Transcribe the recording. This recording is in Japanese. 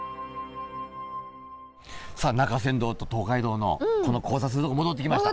さあ中山道と東海道のこの交差するとこ戻ってきました。